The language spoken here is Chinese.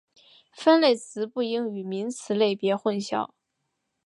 分类词不应与名词类别混淆。